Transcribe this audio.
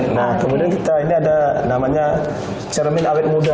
nah kemudian kita ini ada namanya cermin awet muda